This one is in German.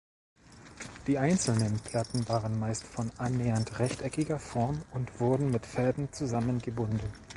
Die einzelnen Platten waren meist von annähernd rechteckiger Form und wurden mit Fäden zusammengebunden.